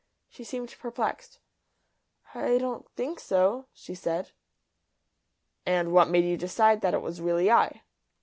She seemed perplexed. "I don't think so," she said. "And what made you decide that it was really I?"